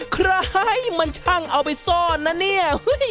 ใครมันช่างเอาไปซ่อนนะเนี่ย